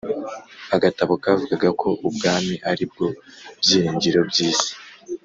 agatabo kavugaga ko Ubwami ari bwo byiringiro by isi